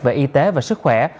về y tế và sức khỏe